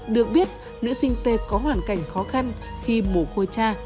được biết nữ sinh t có hoàn cảnh khó khăn khi mổ khôi cha